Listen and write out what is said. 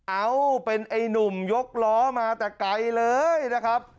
เอ้าเป็นไอ้หนุ่มยกล้อมาแต่ไกลเลยนะครับ